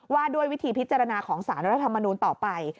ว่าด้วยวิธีพิจารณาของสารรัฐธรรมนูลต่อไป